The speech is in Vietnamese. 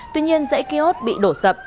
tuy nhiên dãy kiosk bị đổ sập